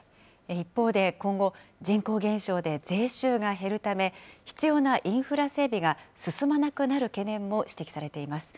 一方で、今後、人口減少で税収が減るため、必要なインフラ整備が進まなくなる懸念も指摘されています。